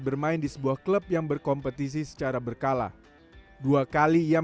bermain di sebuah klub yang berkompetisi secara berkala dua kali ia